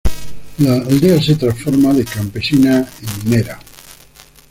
La aldea se transforma de campesina en minera.